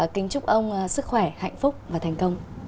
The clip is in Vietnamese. kính chúc ông sức khỏe hạnh phúc và thành công